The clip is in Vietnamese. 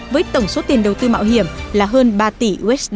với tổng số tiền đầu tư mạo hiểm là hơn ba tỷ usd